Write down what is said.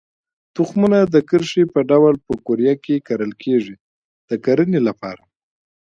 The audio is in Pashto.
تخمونه د کرښې په ډول په قوریه کې کرل کېږي د کرنې لپاره.